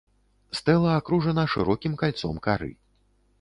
Стэла акружана шырокім кальцом кары.